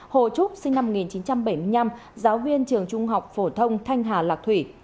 hồ trúc sinh năm một nghìn chín trăm bảy mươi năm giáo viên trường trung học phổ thông thanh hà lạc thủy